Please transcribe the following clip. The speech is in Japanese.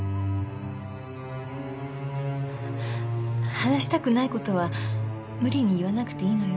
話したくない事は無理に言わなくていいのよ。